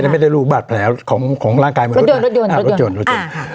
ไม่ได้รูบาดแผลของร่างกายรถยนต์